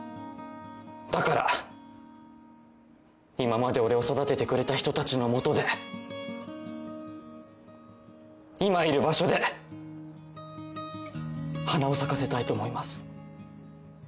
だから今まで俺を育ててくれた人たちのもとで今いる場所で花を咲かせたいと思います。